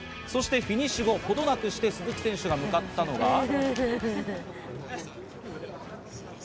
そしてフィニッシュ後、程なくして鈴木選手が向かったのが。